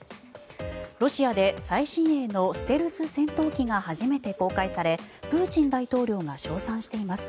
ロシアで最新鋭のステルス戦闘機が初めて公開されプーチン大統領が称賛しています。